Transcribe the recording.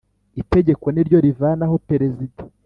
itegeko niryo rivanaho perezida